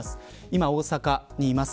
今、大阪にいます。